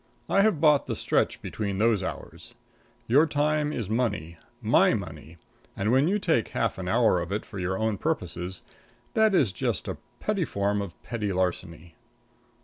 I have bought the stretch between those hours. Your time is money my money and when you take half an hour of it for your own purposes, that is just a petty form of petty larceny.